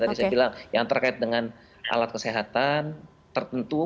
tadi saya bilang yang terkait dengan alat kesehatan tertentu